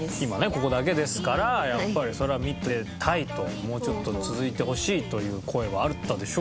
ここだけですからやっぱりそりゃ見てたいともうちょっと続いてほしいという声はあったでしょうよ。